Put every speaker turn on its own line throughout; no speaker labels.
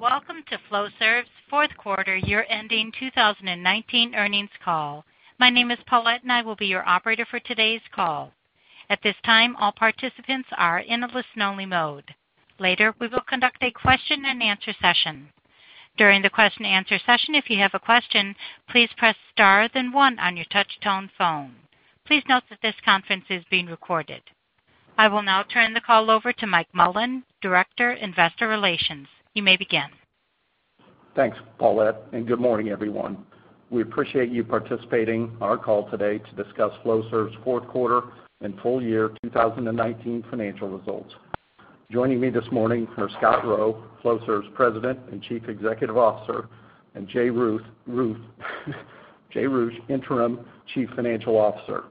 Welcome to Flowserve's fourth quarter, year ending 2019 earnings call. My name is Paulette and I will be your operator for today's call. At this time, all participants are in a listen only mode. Later, we will conduct a question and answer session. During the question answer session, if you have a question, please press star then one on your touchtone phone. Please note that this conference is being recorded. I will now turn the call over to Mike Mullin, Director, Investor Relations. You may begin.
Thanks, Paulette. Good morning, everyone. We appreciate you participating on our call today to discuss Flowserve's Fourth Quarter and Full Year 2019 Financial Results. Joining me this morning are Scott Rowe, Flowserve's President and Chief Executive Officer, and Jay Roueche, Interim Chief Financial Officer.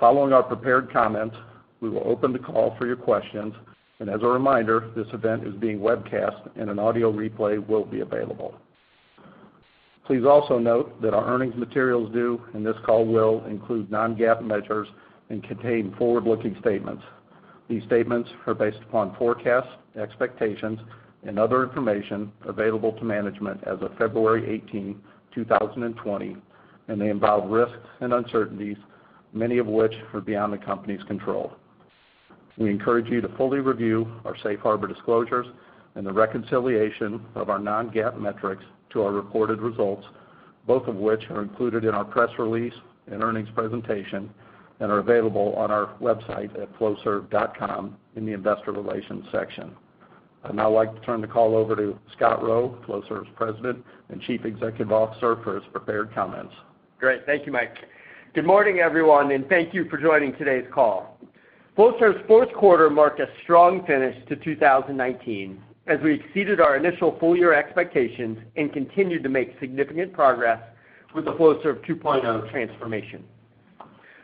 Following our prepared comments, we will open the call for your questions, and as a reminder, this event is being webcast and an audio replay will be available. Please also note that our earnings materials do, and this call will, include non-GAAP measures and contain forward-looking statements. These statements are based upon forecasts, expectations, and other information available to management as of February 18, 2020, and they involve risks and uncertainties, many of which are beyond the company's control. We encourage you to fully review our safe harbor disclosures and the reconciliation of our non-GAAP metrics to our reported results, both of which are included in our press release and earnings presentation, and are available on our website at flowserve.com in the investor relations section. I'd now like to turn the call over to Scott Rowe, Flowserve's President and Chief Executive Officer for his prepared comments.
Great. Thank you, Mike. Good morning, everyone. Thank you for joining today's call. Flowserve's fourth quarter marked a strong finish to 2019, as we exceeded our initial full-year expectations and continued to make significant progress with the Flowserve 2.0 transformation.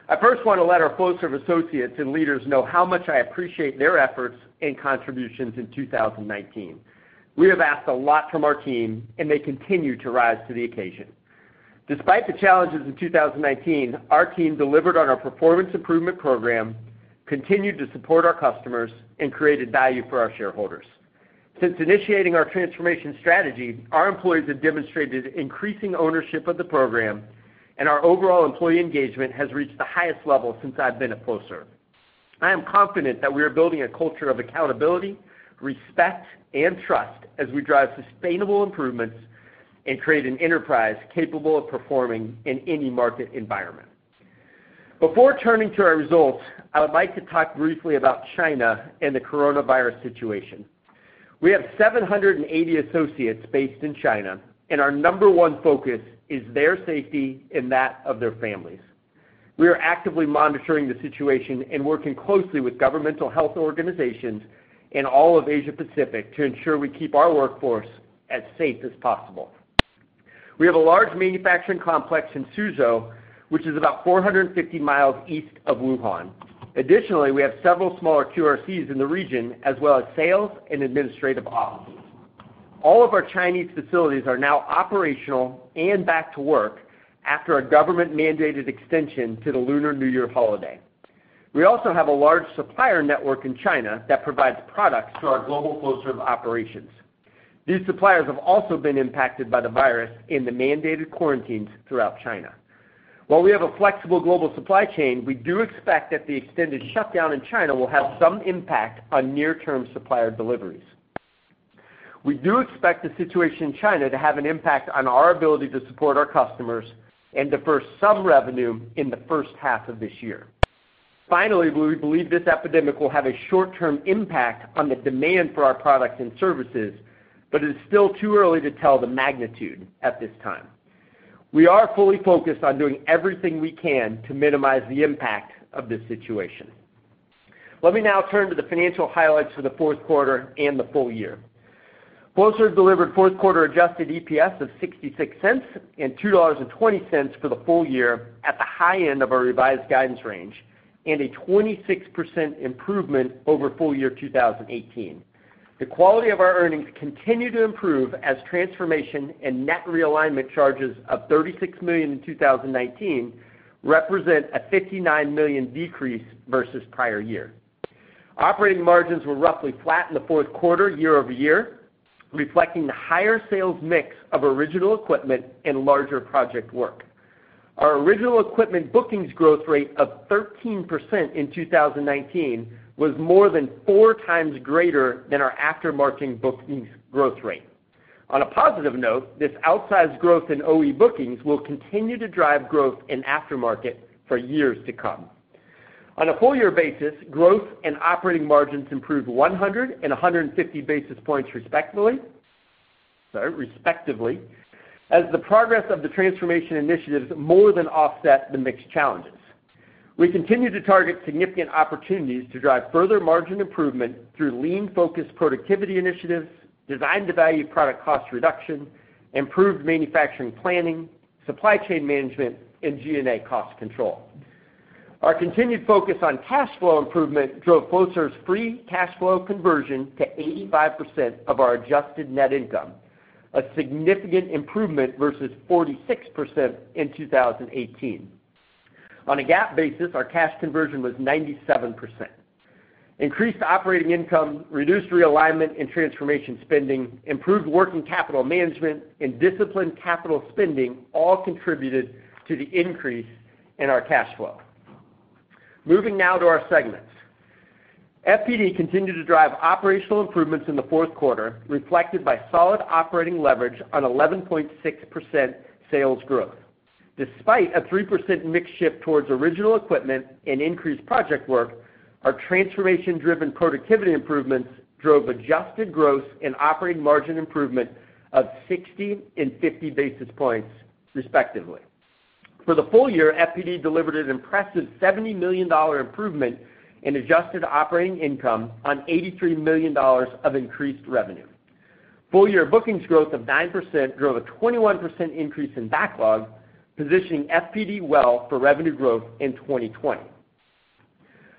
I first want to let our Flowserve associates and leaders know how much I appreciate their efforts and contributions in 2019. We have asked a lot from our team. They continue to rise to the occasion. Despite the challenges in 2019, our team delivered on our performance improvement program, continued to support our customers, and created value for our shareholders. Since initiating our transformation strategy, our employees have demonstrated increasing ownership of the program. Our overall employee engagement has reached the highest level since I've been at Flowserve. I am confident that we are building a culture of accountability, respect, and trust as we drive sustainable improvements and create an enterprise capable of performing in any market environment. Before turning to our results, I would like to talk briefly about China and the coronavirus situation. We have 780 associates based in China, and our number one focus is their safety and that of their families. We are actively monitoring the situation and working closely with governmental health organizations in all of Asia Pacific to ensure we keep our workforce as safe as possible. We have a large manufacturing complex in Suzhou, which is about 450 miles east of Wuhan. Additionally, we have several smaller QRCs in the region, as well as sales and administrative offices. All of our Chinese facilities are now operational and back to work after a government-mandated extension to the Lunar New Year holiday. We also have a large supplier network in China that provides products to our global Flowserve operations. These suppliers have also been impacted by the virus and the mandated quarantines throughout China. While we have a flexible global supply chain, we do expect that the extended shutdown in China will have some impact on near-term supplier deliveries. We do expect the situation in China to have an impact on our ability to support our customers and defer some revenue in the first half of this year. Finally, we believe this epidemic will have a short-term impact on the demand for our products and services, but it is still too early to tell the magnitude at this time. We are fully focused on doing everything we can to minimize the impact of this situation. Let me now turn to the financial highlights for the fourth quarter and the full year. Flowserve delivered fourth quarter adjusted EPS of $0.66 and $2.20 for the full year at the high end of our revised guidance range, and a 26% improvement over full year 2018. The quality of our earnings continue to improve as transformation and net realignment charges of $36 million in 2019 represent a $59 million decrease versus prior year. Operating margins were roughly flat in the fourth quarter year-over-year, reflecting the higher sales mix of original equipment and larger project work. Our original equipment bookings growth rate of 13% in 2019 was more than four times greater than our aftermarket bookings growth rate. On a positive note, this outsized growth in OE bookings will continue to drive growth in aftermarket for years to come. On a full year basis, growth and operating margins improved 100 basis points and 150 basis points respectively, as the progress of the transformation initiatives more than offset the mixed challenges. We continue to target significant opportunities to drive further margin improvement through lean, focused productivity initiatives, Design to Value product cost reduction, improved manufacturing planning, supply chain management, and G&A cost control. Our continued focus on cash flow improvement drove Flowserve's free cash flow conversion to 85% of our adjusted net income, a significant improvement versus 46% in 2018. On a GAAP basis, our cash conversion was 97%. Increased operating income, reduced realignment and transformation spending, improved working capital management, and disciplined capital spending all contributed to the increase in our cash flow. Moving now to our segments. FPD continued to drive operational improvements in the fourth quarter, reflected by solid operating leverage on 11.6% sales growth. Despite a 3% mix shift towards original equipment and increased project work, our transformation-driven productivity improvements drove adjusted gross and operating margin improvement of 60 and 50 basis points, respectively. For the full year, FPD delivered an impressive $70 million improvement in adjusted operating income on $83 million of increased revenue. Full-year bookings growth of 9% drove a 21% increase in backlog, positioning FPD well for revenue growth in 2020.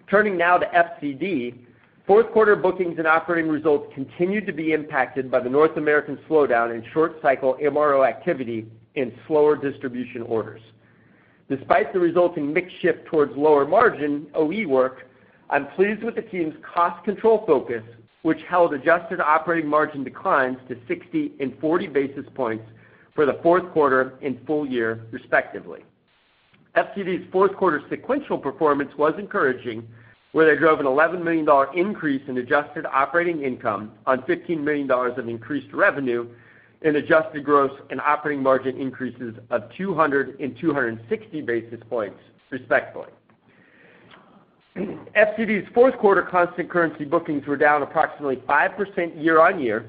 Turning now to FCD. Fourth quarter bookings and operating results continued to be impacted by the North American slowdown in short cycle MRO activity and slower distribution orders. Despite the resulting mix shift towards lower margin OE work, I'm pleased with the team's cost control focus, which held adjusted operating margin declines to 60 basis points and 40 basis points for the fourth quarter and full year, respectively. FCD's fourth quarter sequential performance was encouraging, where they drove an $11 million increase in adjusted operating income on $15 million of increased revenue and adjusted gross and operating margin increases of 200 and 260 basis points, respectively. FCD's fourth quarter constant currency bookings were down approximately 5% year-on-year,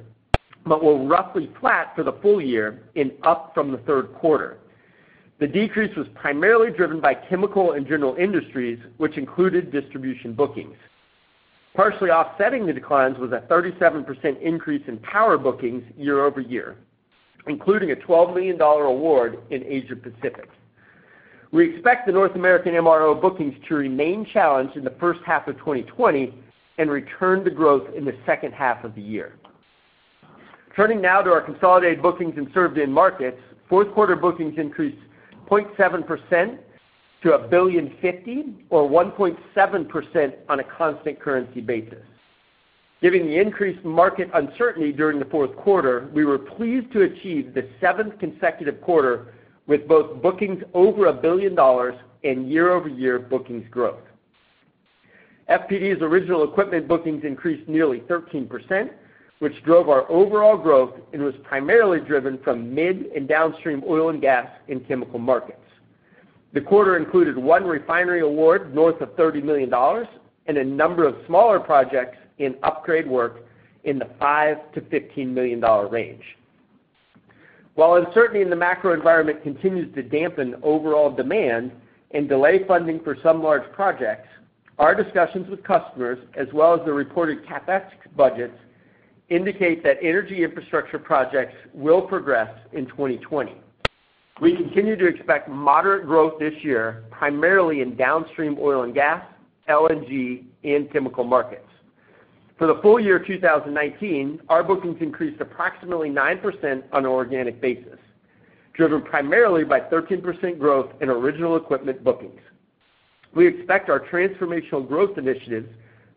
but were roughly flat for the full year and up from the third quarter. The decrease was primarily driven by chemical and general industries, which included distribution bookings. Partially offsetting the declines was a 37% increase in power bookings year-over-year, including a $12 million award in Asia Pacific. We expect the North American MRO bookings to remain challenged in the first half of 2020 and return to growth in the second half of the year. Turning now to our consolidated bookings and served end markets. Fourth quarter bookings increased 0.7% to $1.05 billion, or 1.7% on a constant currency basis. Given the increased market uncertainty during the fourth quarter, we were pleased to achieve the seventh consecutive quarter with both bookings over a billion dollars and year-over-year bookings growth. FPD's original equipment bookings increased nearly 13%, which drove our overall growth and was primarily driven from mid and downstream oil and gas in chemical markets. The quarter included one refinery award north of $30 million and a number of smaller projects in upgrade work in the $5 million-$15 million range. While uncertainty in the macro environment continues to dampen overall demand and delay funding for some large projects, our discussions with customers, as well as the reported CapEx budgets, indicate that energy infrastructure projects will progress in 2020. We continue to expect moderate growth this year, primarily in downstream oil and gas, LNG, and chemical markets. For the full year 2019, our bookings increased approximately 9% on an organic basis, driven primarily by 13% growth in original equipment bookings. We expect our transformational growth initiatives,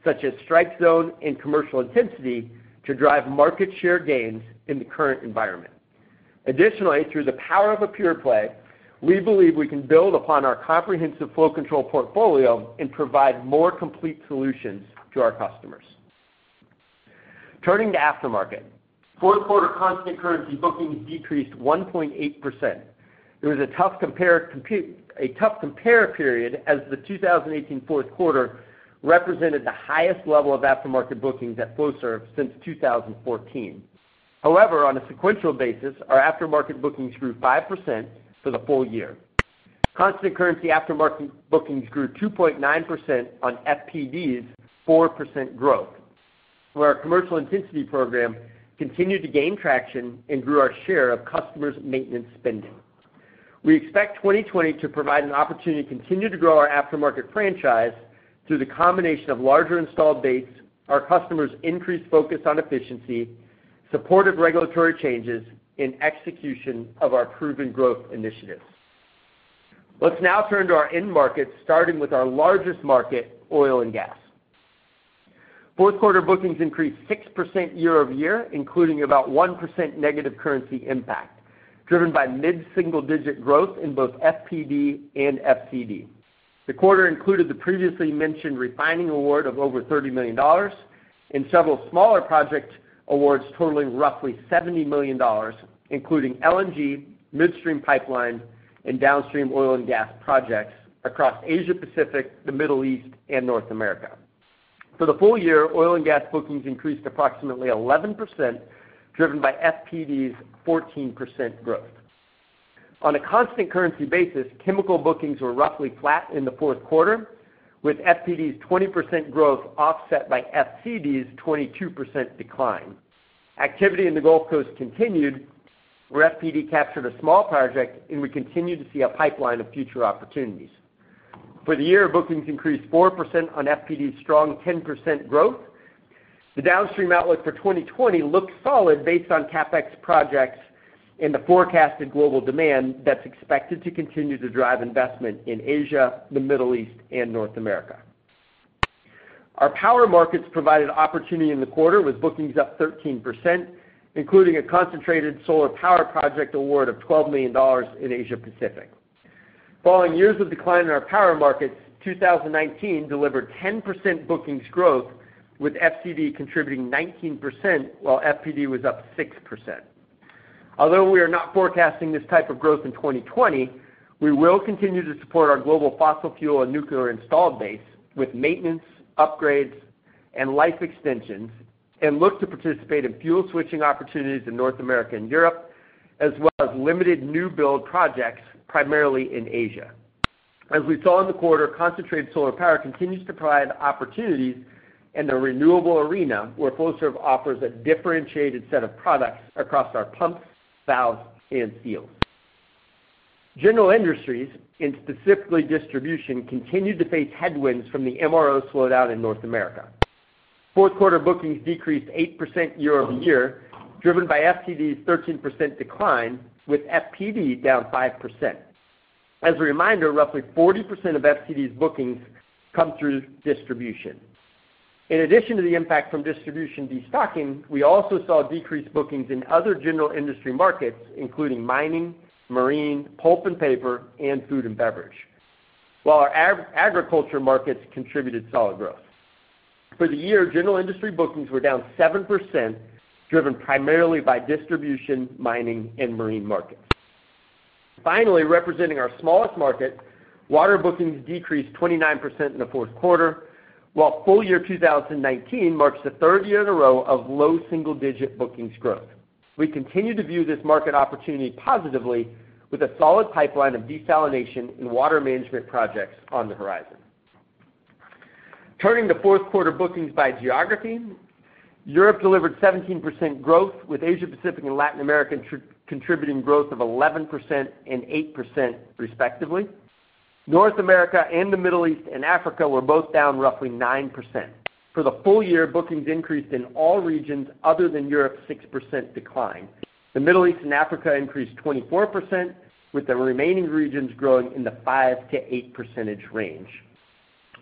such as StrikeZone and Commercial Intensity, to drive market share gains in the current environment. Additionally, through the power of a pure play, we believe we can build upon our comprehensive flow control portfolio and provide more complete solutions to our customers. Turning to aftermarket. Fourth quarter constant currency bookings decreased 1.8%. It was a tough compare period as the 2018 fourth quarter represented the highest level of aftermarket bookings at Flowserve since 2014. On a sequential basis, our aftermarket bookings grew 5% for the full year. Constant currency aftermarket bookings grew 2.9% on FPD's 4% growth, where our Commercial Intensity program continued to gain traction and grew our share of customers' maintenance spending. We expect 2020 to provide an opportunity to continue to grow our aftermarket franchise through the combination of larger installed base, our customers' increased focus on efficiency, supportive regulatory changes, and execution of our proven growth initiatives. Let's now turn to our end markets, starting with our largest market, oil and gas. Fourth quarter bookings increased 6% year-over-year, including about 1% negative currency impact, driven by mid-single-digit growth in both FPD and FCD. The quarter included the previously mentioned refining award of over $30 million and several smaller project awards totaling roughly $70 million, including LNG, midstream pipeline, and downstream oil and gas projects across Asia Pacific, the Middle East, and North America. For the full year, oil and gas bookings increased approximately 11%, driven by FPD's 14% growth. On a constant currency basis, chemical bookings were roughly flat in the fourth quarter, with FPD's 20% growth offset by FCD's 22% decline. Activity in the Gulf Coast continued, where FPD captured a small project, and we continue to see a pipeline of future opportunities. For the year, bookings increased 4% on FPD's strong 10% growth. The downstream outlook for 2020 looks solid based on CapEx projects and the forecasted global demand that's expected to continue to drive investment in Asia, the Middle East, and North America. Our power markets provided opportunity in the quarter, with bookings up 13%, including a concentrated solar power project award of $12 million in Asia Pacific. Following years of decline in our power markets, 2019 delivered 10% bookings growth, with FCD contributing 19%, while FPD was up 6%. Although we are not forecasting this type of growth in 2020, we will continue to support our global fossil fuel and nuclear installed base with maintenance, upgrades, and life extensions, and look to participate in fuel switching opportunities in North America and Europe, as well as limited new build projects, primarily in Asia. As we saw in the quarter, concentrated solar power continues to provide opportunities in the renewable arena, where Flowserve offers a differentiated set of products across our pumps, valves, and seals. General Industries, and specifically Distribution, continued to face headwinds from the MRO slowdown in North America. Fourth quarter bookings decreased 8% year-over-year, driven by FCD's 13% decline, with FPD down 5%. As a reminder, roughly 40% of FCD's bookings come through distribution. In addition to the impact from distribution destocking, we also saw decreased bookings in other general industry markets, including mining, marine, pulp and paper, and food and beverage. While our agriculture markets contributed solid growth. For the year, general industry bookings were down 7%, driven primarily by distribution, mining, and marine markets. Finally, representing our smallest market, water bookings decreased 29% in the fourth quarter, while full year 2019 marks the third year in a row of low single-digit bookings growth. We continue to view this market opportunity positively, with a solid pipeline of desalination and water management projects on the horizon. Turning to fourth quarter bookings by geography. Europe delivered 17% growth, with Asia Pacific and Latin America contributing growth of 11% and 8%, respectively. North America and the Middle East and Africa were both down roughly 9%. For the full year, bookings increased in all regions other than Europe's 6% decline. The Middle East and Africa increased 24%, with the remaining regions growing in the 5%-8% range.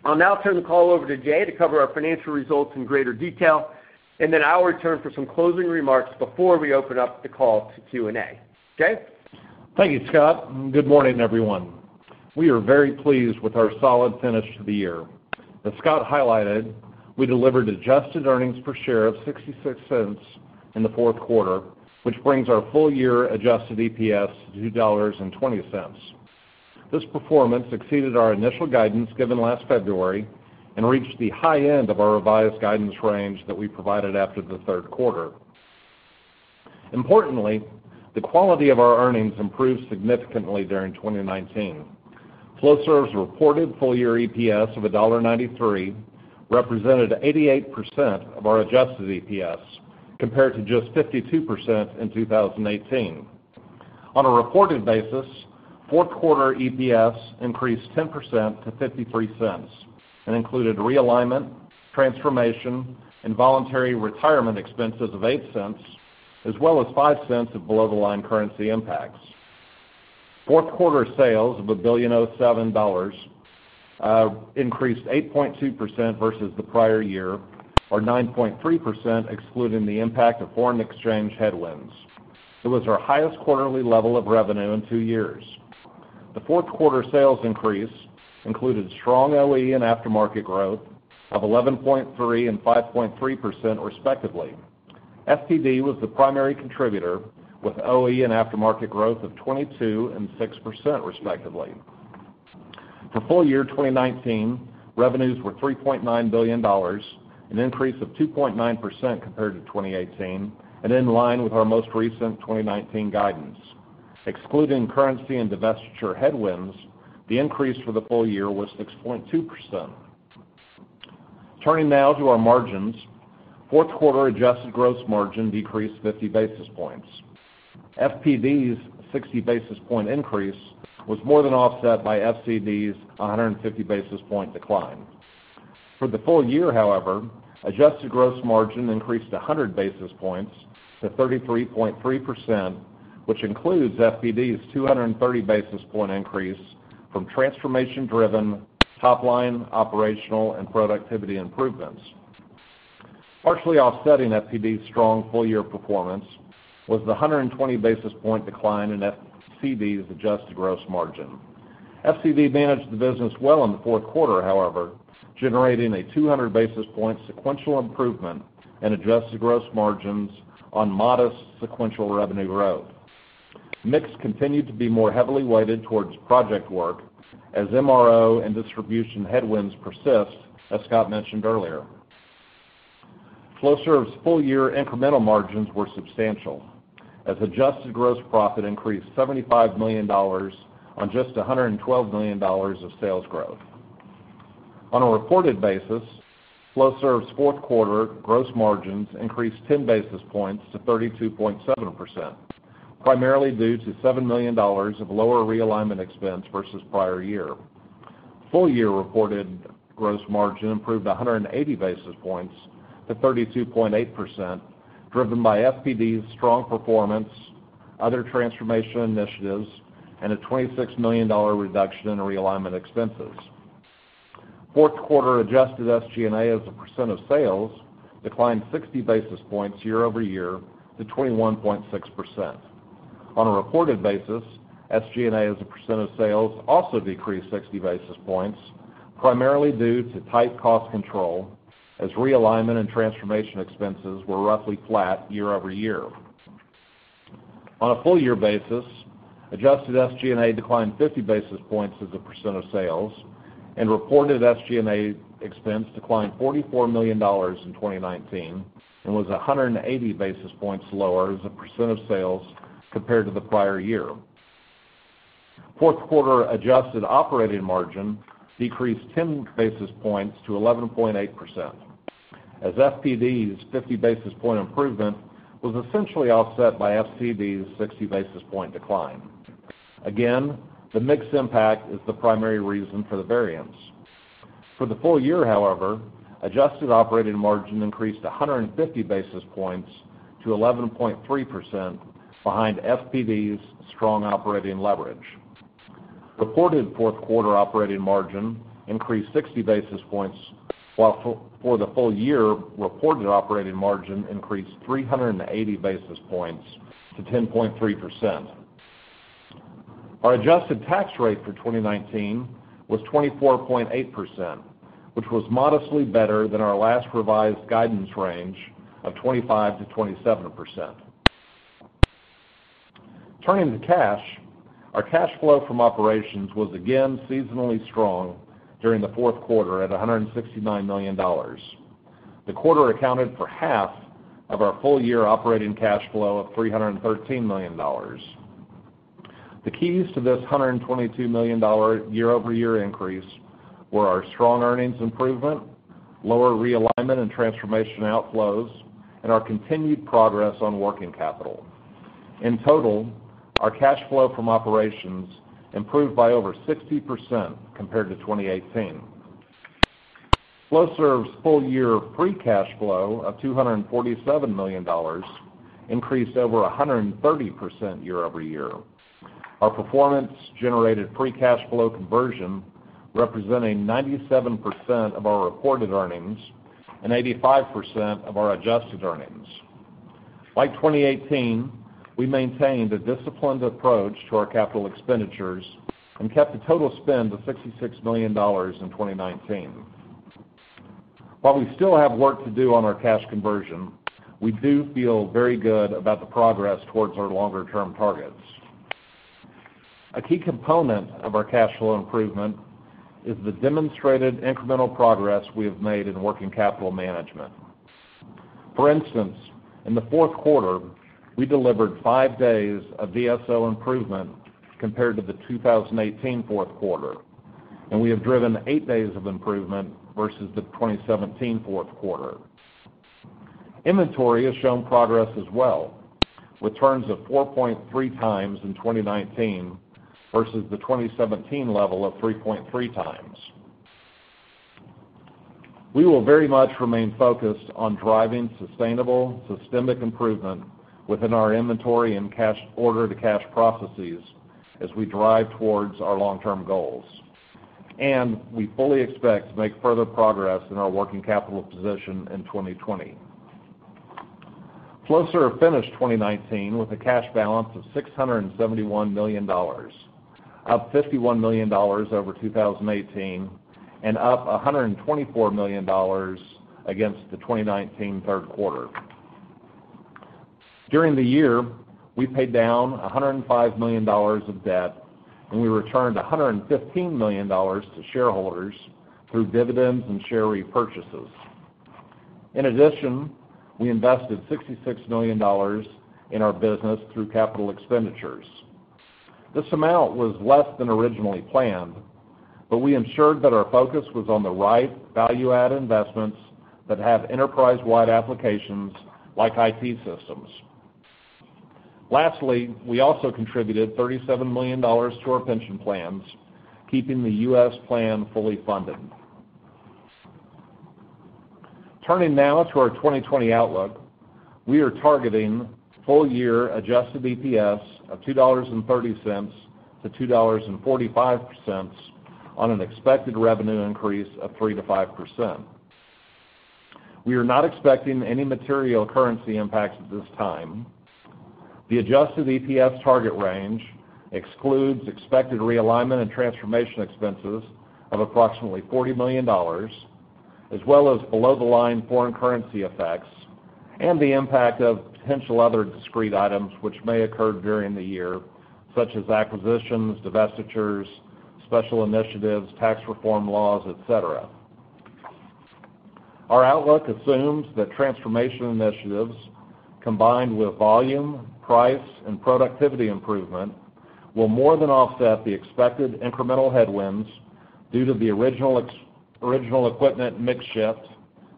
I'll now turn the call over to Jay to cover our financial results in greater detail. Then I'll return for some closing remarks before we open up the call to Q&A. Jay?
Thank you, Scott. Good morning, everyone. We are very pleased with our solid finish to the year. As Scott highlighted, we delivered adjusted earnings per share of $0.66 in the fourth quarter, which brings our full year adjusted EPS $2.20. This performance exceeded our initial guidance given last February and reached the high end of our revised guidance range that we provided after the third quarter. Importantly, the quality of our earnings improved significantly during 2019. Flowserve's reported full-year EPS of $1.93 represented 88% of our adjusted EPS, compared to just 52% in 2018. On a reported basis, fourth quarter EPS increased 10% to $0.53 and included realignment, transformation, and voluntary retirement expenses of $0.08, as well as $0.05 of below-the-line currency impacts. Fourth quarter sales of $1.07 billion increased 8.2% versus the prior year or 9.3% excluding the impact of foreign exchange headwinds. It was our highest quarterly level of revenue in two years. The fourth quarter sales increase included strong OE and aftermarket growth of 11.3% and 5.3%, respectively. FPD was the primary contributor, with OE and aftermarket growth of 22% and 6%, respectively. For full year 2019, revenues were $3.9 billion, an increase of 2.9% compared to 2018 and in line with our most recent 2019 guidance. Excluding currency and divestiture headwinds, the increase for the full year was 6.2%. Turning now to our margins. Fourth quarter adjusted gross margin decreased 50 basis points. FPD's 60-basis-point increase was more than offset by FCD's 150-basis-point decline. For the full year, however, adjusted gross margin increased 100 basis points to 33.3%, which includes FPD's 230-basis-point increase from transformation-driven top-line operational and productivity improvements. Partially offsetting FPD's strong full-year performance was the 120-basis-point decline in FCD's adjusted gross margin. FCD managed the business well in the fourth quarter, however, generating a 200 basis points sequential improvement in adjusted gross margins on modest sequential revenue growth. Mix continued to be more heavily weighted towards project work as MRO and distribution headwinds persist, as Scott mentioned earlier. Flowserve's full-year incremental margins were substantial as adjusted gross profit increased $75 million on just $112 million of sales growth. On a reported basis, Flowserve's fourth quarter gross margins increased 10 basis points to 32.7%, primarily due to $7 million of lower realignment expense versus prior year. Full year reported gross margin improved 180 basis points to 32.8%, driven by FPD's strong performance, other transformation initiatives, and a $26 million reduction in realignment expenses. Fourth quarter adjusted SG&A as a percent of sales declined 60 basis points year-over-year to 21.6%. On a reported basis, SG&A as a % of sales also decreased 60 basis points, primarily due to tight cost control, as realignment and transformation expenses were roughly flat year-over-year. On a full year basis, adjusted SG&A declined 50 basis points as a percent of sales, and reported SG&A expense declined $44 million in 2019 and was 180 basis points lower as a percent of sales compared to the prior year. Fourth quarter adjusted operating margin decreased 10 basis points to 11.8%, as FPD's 50 basis point improvement was essentially offset by FCD's 60 basis point decline. The mix impact is the primary reason for the variance. For the full year, however, adjusted operating margin increased 150 basis points to 11.3%, behind FPD's strong operating leverage. Reported fourth quarter operating margin increased 60 basis points, while for the full year, reported operating margin increased 380 basis points to 10.3%. Our adjusted tax rate for 2019 was 24.8%, which was modestly better than our last revised guidance range of 25%-27%. Turning to cash, our cash flow from operations was again seasonally strong during the fourth quarter at $169 million. The quarter accounted for half of our full year operating cash flow of $313 million. The keys to this $122 million year-over-year increase were our strong earnings improvement, lower realignment and transformation outflows, and our continued progress on working capital. In total, our cash flow from operations improved by over 60% compared to 2018. Flowserve's full year free cash flow of $247 million increased over 130% year-over-year. Our performance generated free cash flow conversion representing 97% of our reported earnings and 85% of our adjusted earnings. Like 2018, we maintained a disciplined approach to our capital expenditures and kept the total spend to $66 million in 2019. While we still have work to do on our cash conversion, we do feel very good about the progress towards our longer-term targets. A key component of our cash flow improvement is the demonstrated incremental progress we have made in working capital management. For instance, in the fourth quarter, we delivered five days of DSO improvement compared to the 2018 fourth quarter, and we have driven eight days of improvement versus the 2017 fourth quarter. Inventory has shown progress as well with turns of 4.3x in 2019 versus the 2017 level of 3.3x. We will very much remain focused on driving sustainable, systemic improvement within our inventory and order-to-cash processes as we drive towards our long-term goals, and we fully expect to make further progress in our working capital position in 2020. Flowserve finished 2019 with a cash balance of $671 million, up $51 million over 2018 and up $124 million against the 2019 third quarter. During the year, we paid down $105 million of debt and we returned $115 million to shareholders through dividends and share repurchases. In addition, we invested $66 million in our business through capital expenditures. This amount was less than originally planned. But we ensured that our focus was on the right value-add investments that have enterprise-wide applications like IT systems. Lastly, we also contributed $37 million to our pension plans, keeping the U.S. plan fully funded. Turning now to our 2020 outlook. We are targeting full year adjusted EPS of $2.30-$2.45 on an expected revenue increase of 3%-5%. We are not expecting any material currency impacts at this time. The adjusted EPS target range excludes expected realignment and transformation expenses of approximately $40 million, as well as below-the-line foreign currency effects and the impact of potential other discrete items which may occur during the year, such as acquisitions, divestitures, special initiatives, tax reform laws, et cetera. Our outlook assumes that transformation initiatives combined with volume, price, and productivity improvement will more than offset the expected incremental headwinds due to the original equipment mix shift,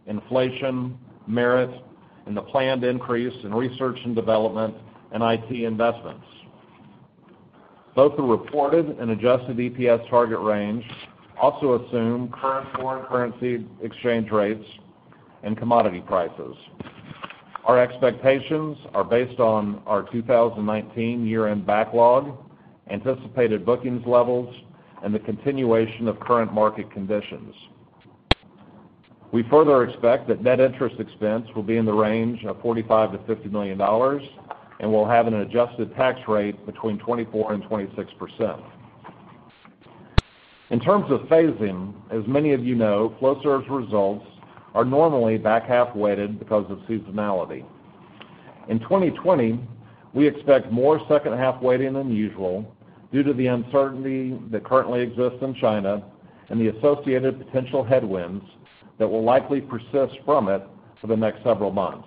inflation, merit, and the planned increase in research and development and IT investments. Both the reported and adjusted EPS target range also assume current foreign currency exchange rates and commodity prices. Our expectations are based on our 2019 year-end backlog, anticipated bookings levels, and the continuation of current market conditions. We further expect that net interest expense will be in the range of $45 million-$50 million, and we'll have an adjusted tax rate between 24%-26%. In terms of phasing, as many of you know, Flowserve's results are normally back-half weighted because of seasonality. In 2020, we expect more second half weighting than usual due to the uncertainty that currently exists in China and the associated potential headwinds that will likely persist from it for the next several months.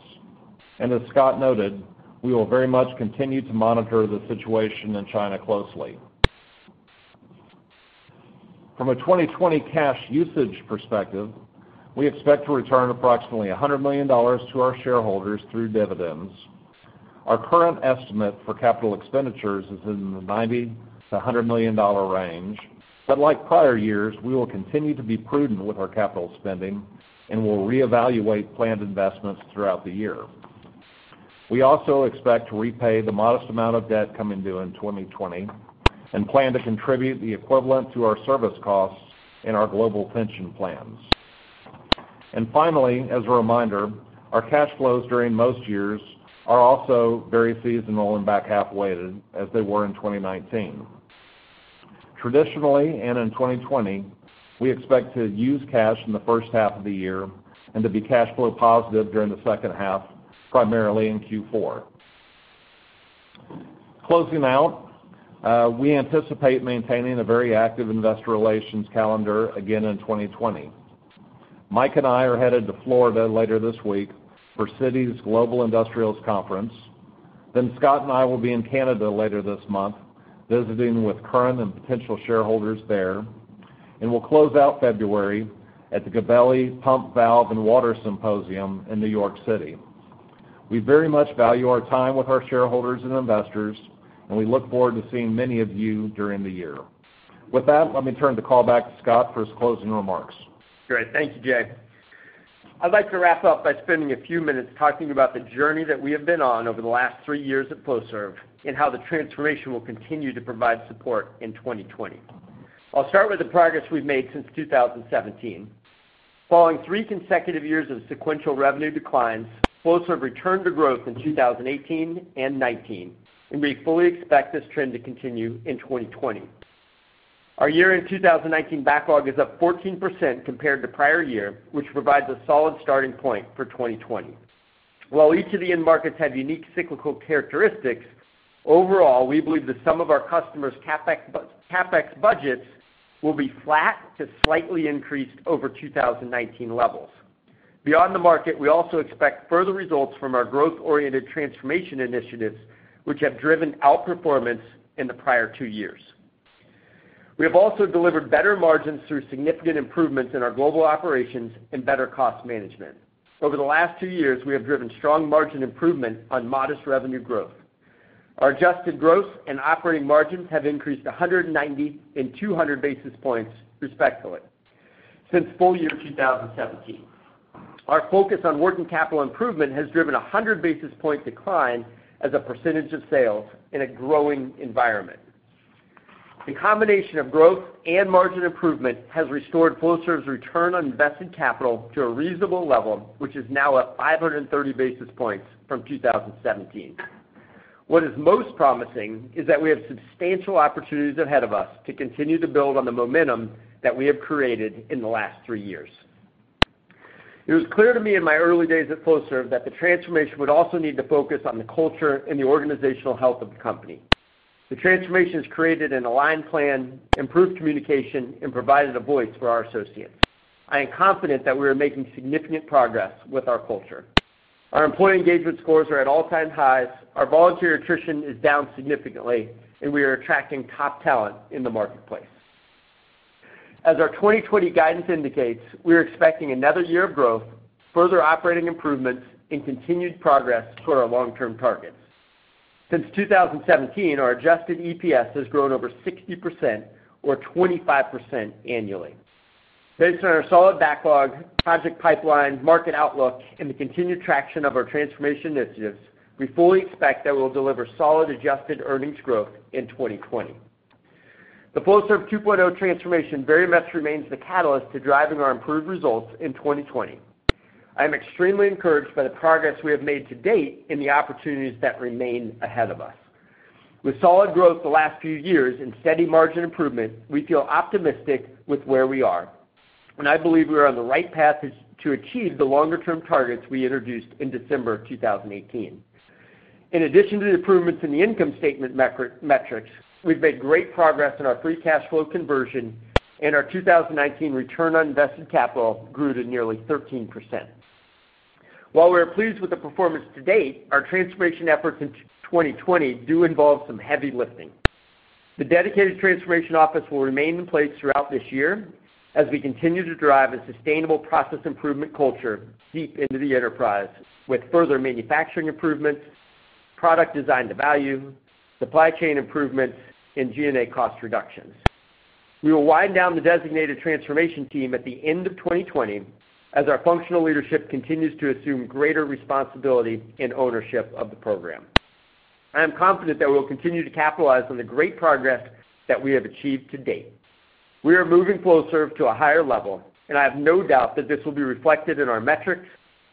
As Scott noted, we will very much continue to monitor the situation in China closely. From a 2020 cash usage perspective, we expect to return approximately $100 million to our shareholders through dividends. Our current estimate for capital expenditures is in the $90 million-$100 million range. Like prior years, we will continue to be prudent with our capital spending and will reevaluate planned investments throughout the year. We also expect to repay the modest amount of debt coming due in 2020 and plan to contribute the equivalent to our service costs in our global pension plans. Finally, as a reminder, our cash flows during most years are also very seasonal and back-half weighted, as they were in 2019. Traditionally, and in 2020, we expect to use cash in the first half of the year and to be cash flow positive during the second half, primarily in Q4. Closing out, we anticipate maintaining a very active investor relations calendar again in 2020. Mike and I are headed to Florida later this week for Citi's Global Industrials Conference. Scott and I will be in Canada later this month, visiting with current and potential shareholders there. We'll close out February at the Gabelli Pump, Valve and Water Symposium in New York City. We very much value our time with our shareholders and investors, and we look forward to seeing many of you during the year. With that, let me turn the call back to Scott for his closing remarks.
Great. Thank you, Jay. I'd like to wrap up by spending a few minutes talking about the journey that we have been on over the last three years at Flowserve and how the transformation will continue to provide support in 2020. I'll start with the progress we've made since 2017. Following three consecutive years of sequential revenue declines, Flowserve returned to growth in 2018 and 2019. We fully expect this trend to continue in 2020. Our year-end 2019 backlog is up 14% compared to prior year, which provides a solid starting point for 2020. While each of the end markets have unique cyclical characteristics, overall, we believe that some of our customers' CapEx budgets will be flat to slightly increased over 2019 levels. Beyond the market, we also expect further results from our growth-oriented transformation initiatives, which have driven outperformance in the prior two years. We have also delivered better margins through significant improvements in our global operations and better cost management. Over the last two years, we have driven strong margin improvement on modest revenue growth. Our adjusted gross and operating margins have increased 190 basis points and 200 basis points, respectively, since full year 2017. Our focus on working capital improvement has driven a 100-basis-point decline as a percentage of sales in a growing environment. The combination of growth and margin improvement has restored Flowserve's return on invested capital to a reasonable level, which is now at 530 basis points from 2017. What is most promising is that we have substantial opportunities ahead of us to continue to build on the momentum that we have created in the last three years. It was clear to me in my early days at Flowserve that the transformation would also need to focus on the culture and the organizational health of the company. The transformation has created an aligned plan, improved communication, and provided a voice for our associates. I am confident that we are making significant progress with our culture. Our employee engagement scores are at all-time highs, our volunteer attrition is down significantly, and we are attracting top talent in the marketplace. As our 2020 guidance indicates, we are expecting another year of growth, further operating improvements, and continued progress toward our long-term targets. Since 2017, our adjusted EPS has grown over 60%, or 25% annually. Based on our solid backlog, project pipeline, market outlook, and the continued traction of our transformation initiatives, we fully expect that we'll deliver solid adjusted earnings growth in 2020. The Flowserve 2.0 transformation very much remains the catalyst to driving our improved results in 2020. I am extremely encouraged by the progress we have made to date and the opportunities that remain ahead of us. With solid growth the last few years and steady margin improvement, we feel optimistic with where we are, and I believe we are on the right path to achieve the longer-term targets we introduced in December 2018. In addition to the improvements in the income statement metrics, we've made great progress in our free cash flow conversion, and our 2019 return on invested capital grew to nearly 13%. While we are pleased with the performance to date, our transformation efforts in 2020 do involve some heavy lifting. The dedicated transformation office will remain in place throughout this year as we continue to drive a sustainable process improvement culture deep into the enterprise, with further manufacturing improvements, product Design to Value, supply chain improvements, and G&A cost reductions. We will wind down the designated transformation team at the end of 2020 as our functional leadership continues to assume greater responsibility and ownership of the program. I am confident that we'll continue to capitalize on the great progress that we have achieved to date. We are moving Flowserve to a higher level, and I have no doubt that this will be reflected in our metrics,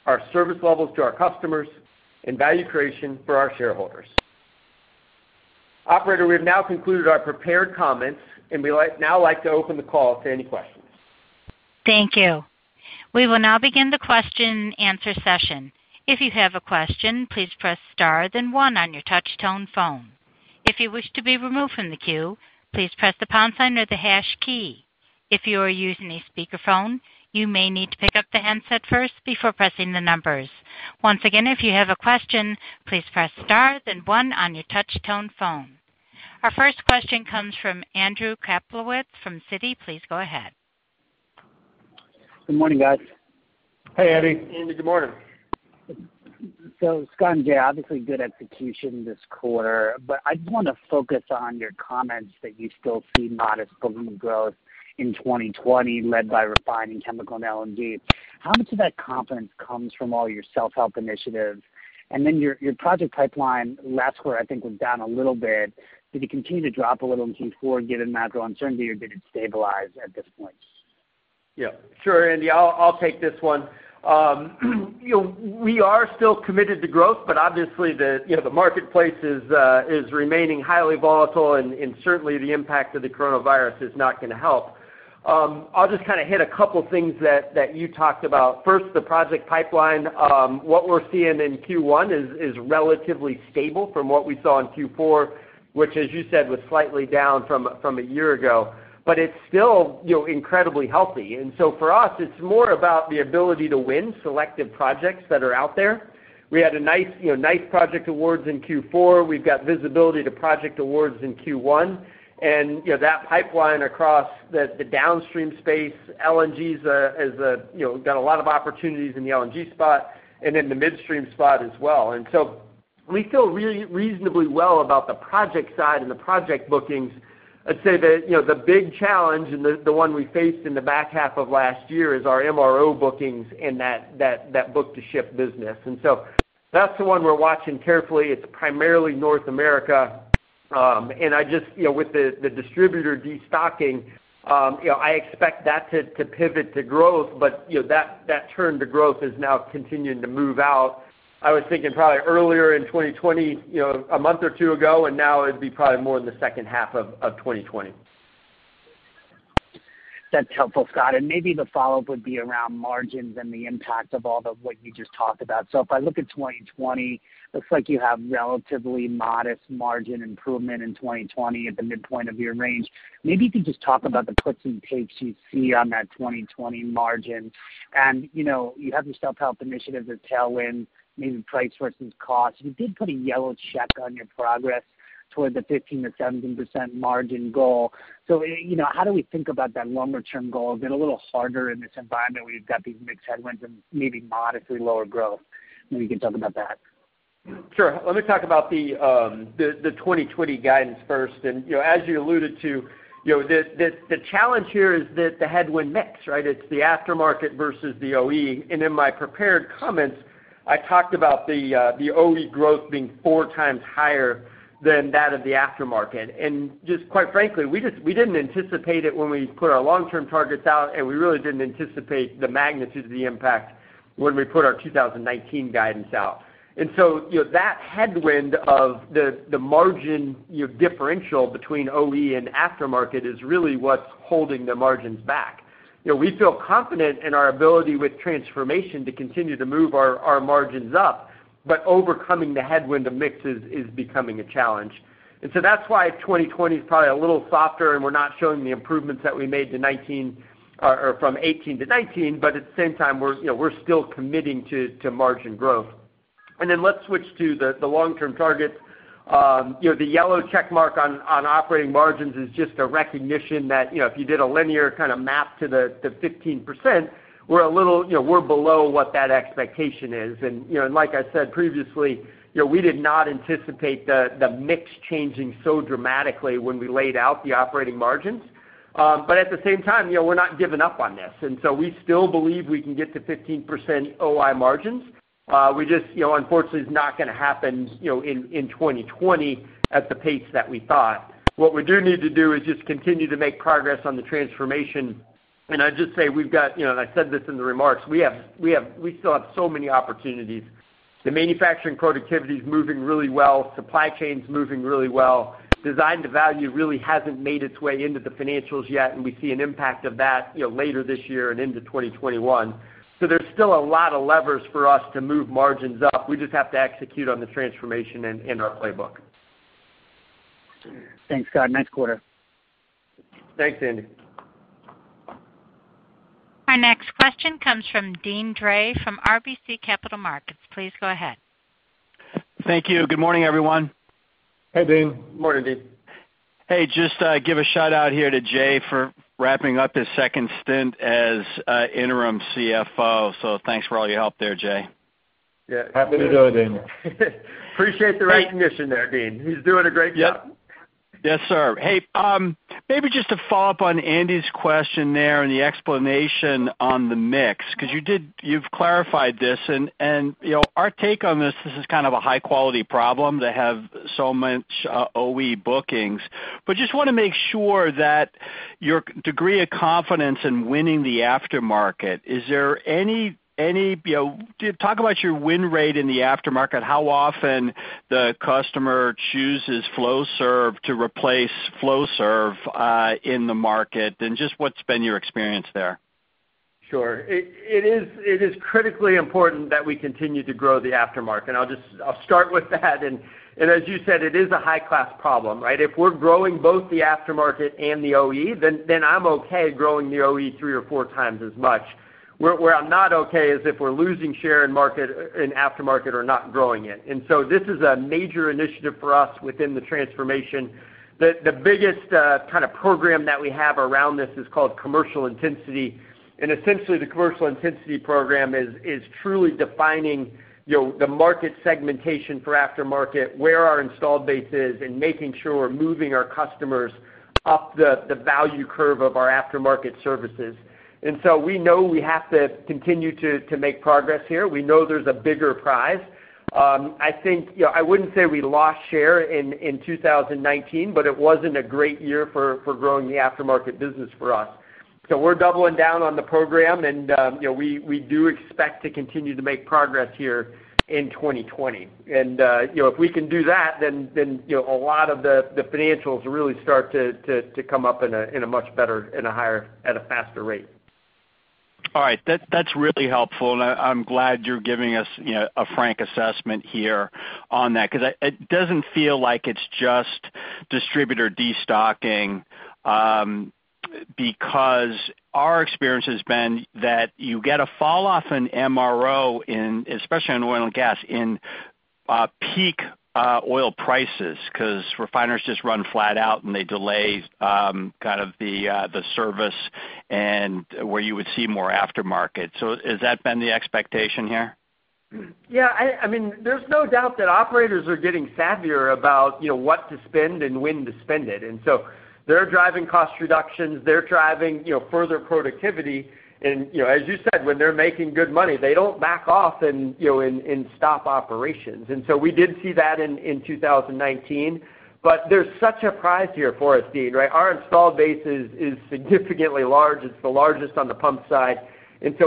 our service levels to our customers, and value creation for our shareholders. Operator, we have now concluded our prepared comments, and we'd now like to open the call to any questions.
Thank you. We will now begin the question and answer session. If you have a question, please press star then one on your touch-tone phone. If you wish to be removed from the queue, please press the pound sign or the hash key. If you are using a speakerphone, you may need to pick up the handset first before pressing the numbers. Once again, if you have a question, please press star then one on your touch-tone phone. Our first question comes from Andrew Kaplowitz from Citi. Please go ahead.
Good morning, guys.
Hey, Andy.
Andy, good morning.
Scott and Jay, obviously good execution this quarter, but I just want to focus on your comments that you still see modest volume growth in 2020 led by refining chemical and LNG. How much of that confidence comes from all your self-help initiatives? Your project pipeline last quarter, I think, was down a little bit. Did it continue to drop a little in Q4 given macro uncertainty, or did it stabilize at this point?
Yeah, sure, Andy, I'll take this one. We are still committed to growth, but obviously, the marketplace is remaining highly volatile and certainly the impact of the coronavirus is not going to help. I'll just hit a couple things that you talked about. First, the project pipeline. What we're seeing in Q1 is relatively stable from what we saw in Q4, which, as you said, was slightly down from a year ago. But it's still incredibly healthy. For us, it's more about the ability to win selective projects that are out there. We had nice project awards in Q4. We've got visibility to project awards in Q1, that pipeline across the downstream space, LNGs, we've got a lot of opportunities in the LNG spot and in the midstream spot as well. We feel reasonably well about the project side and the project bookings. I'd say the big challenge, and the one we faced in the back half of last year, is our MRO bookings and that book-to-ship business. That's the one we're watching carefully. It's primarily North America. With the distributor de-stocking, I expect that to pivot to growth, but that turn to growth is now continuing to move out. I was thinking probably earlier in 2020, you know, a month or two ago, and now it'd be probably more in the second half of 2020.
That's helpful, Scott, and maybe the follow-up would be around margins and the impact of all of what you just talked about. If I look at 2020, looks like you have relatively modest margin improvement in 2020 at the midpoint of your range. Maybe you could just talk about the puts and takes you see on that 2020 margin. And you know, you have your self-help initiatives as tailwind, maybe price versus cost. You did put a yellow check on your progress toward the 15%-17% margin goal. How do we think about that longer-term goal? Is it a little harder in this environment where you've got these mixed headwinds and maybe modestly lower growth? Maybe you can talk about that.
Sure. Let me talk about the 2020 guidance first. As you alluded to, you know, the challenge here is the headwind mix, right? It's the aftermarket versus the OE. In my prepared comments, I talked about the OE growth being 4x higher than that of the aftermarket. Just quite frankly, we didn't anticipate it when we put our long-term targets out, and we really didn't anticipate the magnitude of the impact when we put our 2019 guidance out. That headwind of the margin differential between OE and aftermarket is really what's holding the margins back. We feel confident in our ability with transformation to continue to move our margins up, but overcoming the headwind of mix is becoming a challenge. That's why 2020 is probably a little softer, and we're not showing the improvements that we made from 2018-2019. We're still committing to margin growth. Let's switch to the long-term targets. The yellow check mark on operating margins is just a recognition that if you did a linear kind of map to the 15%, we're below what that expectation is. Like I said previously, we did not anticipate the mix changing so dramatically when we laid out the operating margins. But at the same time, we're not giving up on this. We still believe we can get to 15% OI margins. It's not going to happen in 2020 at the pace that we thought. Continue to make progress on the transformation. And I just say we've got, you know, I said this in the remarks, we still have so many opportunities. The manufacturing productivity's moving really well. Supply chain's moving really well. Design to Value really hasn't made its way into the financials yet, and we see an impact of that later this year and into 2021. There's still a lot of levers for us to move margins up. We just have to execute on the transformation and our playbook.
Thanks, Scott. Nice quarter.
Thanks, Andy.
Our next question comes from Deane Dray from RBC Capital Markets. Please go ahead.
Thank you. Good morning, everyone.
Hey, Deane.
Morning, Deane.
Hey, just give a shout-out here to Jay for wrapping up his second stint as Interim CFO. Thanks for all your help there, Jay.
Yeah. Happy to do it, Deane.
Appreciate the recognition there, Deane. He's doing a great job.
Yes, sir. Maybe just to follow up on Andy's question there and the explanation on the mix, because you've clarified this, and our take on this is kind of a high-quality problem to have so much OE bookings. Just want to make sure that your degree of confidence in winning the aftermarket. Talk about your win rate in the aftermarket, how often the customer chooses Flowserve to replace Flowserve, in the market, and just what's been your experience there?
Sure. It is critically important that we continue to grow the aftermarket, and I'll start with that. As you said, it is a high-class problem, right? If we're growing both the aftermarket and the OE, then I'm okay growing the OE 3x or 4x as much. Where I'm not okay is if we're losing share in aftermarket or not growing it. This is a major initiative for us within the transformation. The biggest kind of program that we have around this is called Commercial Intensity. Essentially, the Commercial Intensity program is truly defining the market segmentation for aftermarket, where our installed base is, and making sure we're moving our customers up the value curve of our aftermarket services. We know we have to continue to make progress here. We know there's a bigger prize. I wouldn't say we lost share in 2019, but it wasn't a great year for growing the aftermarket business for us. We're doubling down on the program, and we do expect to continue to make progress here in 2020. If we can do that, then a lot of the financials really start to come up in a much better, in a higher, at a faster rate.
All right. That's really helpful, and I'm glad you're giving us a frank assessment here on that, because it doesn't feel like it's just distributor destocking, because our experience has been that you get a fall off in MRO, especially in oil and gas, in peak oil prices, because refiners just run flat out and they delay kind of the service and where you would see more aftermarket. Has that been the expectation here?
There's no doubt that operators are getting savvier about what to spend and when to spend it. They're driving cost reductions. They're driving further productivity. As you said, when they're making good money, they don't back off and stop operations. We did see that in 2019, but there's such a prize here for us, Deane, right? Our installed base is significantly large. It's the largest on the pump side.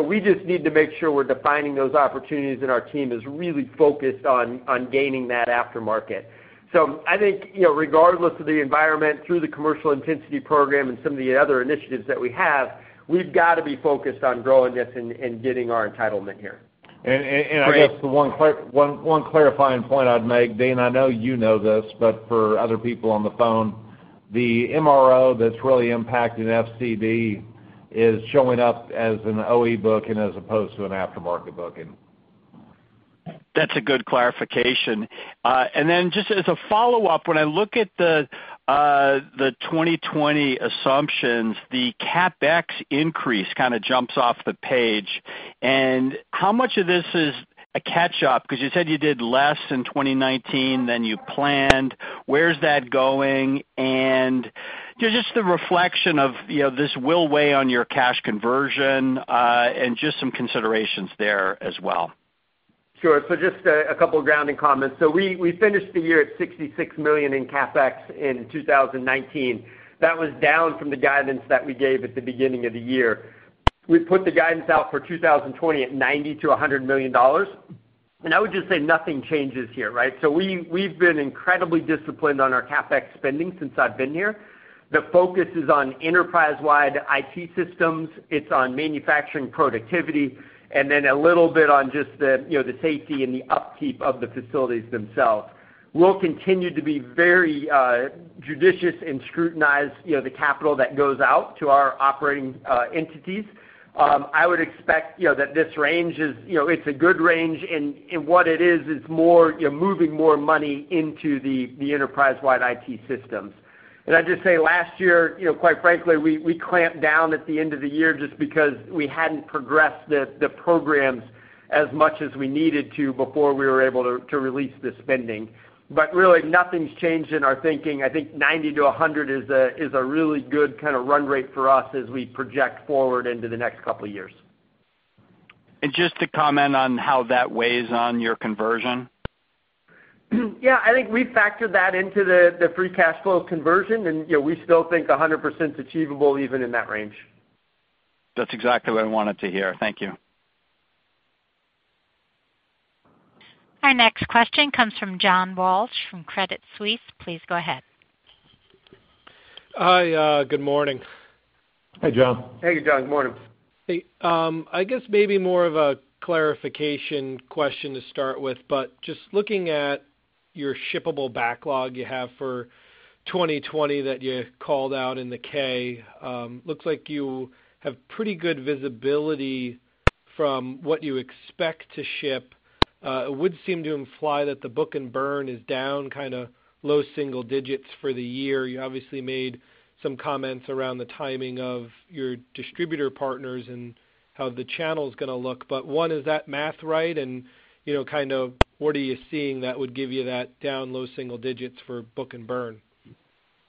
We just need to make sure we're defining those opportunities, and our team is really focused on gaining that aftermarket. I think, regardless of the environment, through the Commercial Intensity program and some of the other initiatives that we have, we've got to be focused on growing this and getting our entitlement here.
I guess the one clarifying point I'd make, Deane, I know you know this, but for other people on the phone. The MRO that's really impacting FCD is showing up as an OE booking as opposed to an aftermarket booking.
That's a good clarification. Just as a follow-up, when I look at the 2020 assumptions, the CapEx increase kind of jumps off the page. How much of this is a catch-up? Because you said you did less in 2019 than you planned. Where's that going? And just a reflection of this will weigh on your cash conversion, and just some considerations there as well.
Sure. Just a couple grounding comments. We finished the year at $66 million in CapEx in 2019. That was down from the guidance that we gave at the beginning of the year. We put the guidance out for 2020 at $90 million-$100 million. I would just say nothing changes here, right? We've been incredibly disciplined on our CapEx spending since I've been here. The focus is on enterprise-wide IT systems. It's on manufacturing productivity, and then a little bit on just the safety and the upkeep of the facilities themselves. We'll continue to be very judicious and scrutinize the capital that goes out to our operating entities. I would expect that this range is a good range, and what it is moving more money into the enterprise-wide IT systems. I'd just say last year, quite frankly, we clamped down at the end of the year just because we hadn't progressed the programs as much as we needed to before we were able to release the spending. Really, nothing's changed in our thinking. I think $90 million-$100 million is a really good kind of run rate for us as we project forward into the next couple of years.
Just to comment on how that weighs on your conversion?
Yeah, I think we factored that into the free cash flow conversion. We still think 100%'s achievable even in that range.
That's exactly what I wanted to hear. Thank you.
Our next question comes from John Walsh from Credit Suisse. Please go ahead.
Hi, good morning.
Hi, John.
Hey, John. Morning.
Hey. I guess maybe more of a clarification question to start with, but just looking at your shippable backlog you have for 2020 that you called out in the K, looks like you have pretty good visibility from what you expect to ship. It would seem to imply that the book and burn is down low single digits for the year. You obviously made some comments around the timing of your distributor partners and how the channel's going to look. One, is that math right? What are you seeing that would give you that down low single digits for book and burn?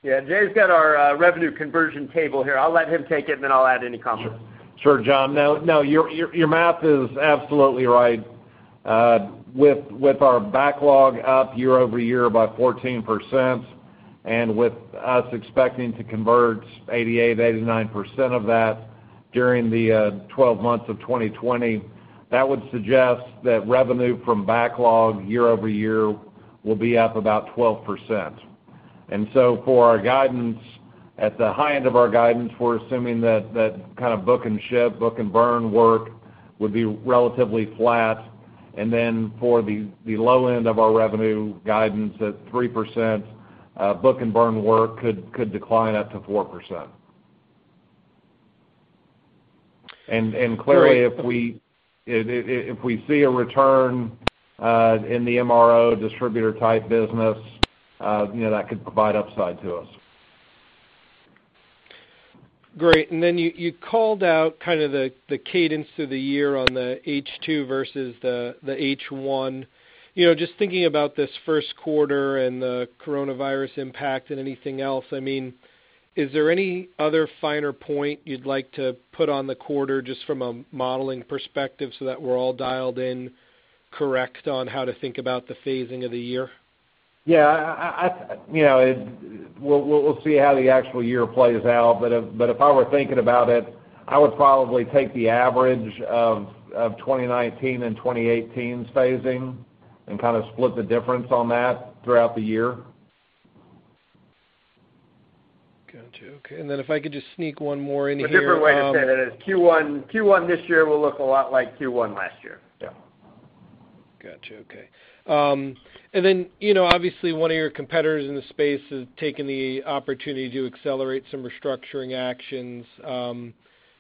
Yeah, Jay's got our revenue conversion table here. I'll let him take it, and then I'll add any comments.
Sure, John. No, your math is absolutely right. With our backlog up year-over-year by 14%, with us expecting to convert 88%-89% of that during the 12 months of 2020, that would suggest that revenue from backlog year-over-year will be up about 12%. For our guidance, at the high end of our guidance, we're assuming that kind of book and ship, book and burn work would be relatively flat. For the low end of our revenue guidance at 3%, book and burn work could decline up to 4%. Clearly, if we see a return in the MRO distributor type business, that could provide upside to us.
Great. You called out kind of the cadence to the year on the H2 versus the H1. Just thinking about this first quarter and the coronavirus impact and anything else, is there any other finer point you'd like to put on the quarter just from a modeling perspective so that we're all dialed in correct on how to think about the phasing of the year?
Yeah. We'll see how the actual year plays out, but if I were thinking about it, I would probably take the average of 2019 and 2018's phasing and kind of split the difference on that throughout the year.
Got you. Okay. If I could just sneak one more in here.
A different way to say that is Q1 this year will look a lot like Q1 last year.
Yeah.
Got you. Okay. Obviously, one of your competitors in the space has taken the opportunity to accelerate some restructuring actions.